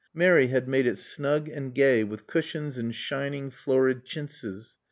Mary had made it snug and gay with cushions and shining, florid chintzes.